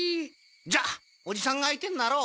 じゃおじさんが相手になろう。